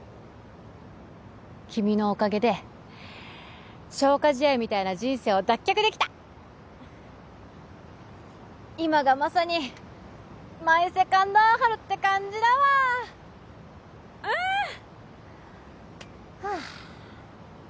君のおかげで消化試合みたいな人生を脱却できた今がまさにマイ・セカンド・アオハルって感じだわうんはあ